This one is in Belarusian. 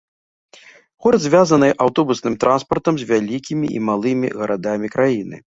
Горад звязаны аўтобусным транспартам з вялікімі і малымі гарадамі краіны.